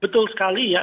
betul sekali ya